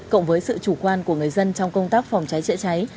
cộng với sự chủ quan của người dân trong công tác phòng cháy chữa cháy